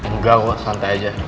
nggak gue santai aja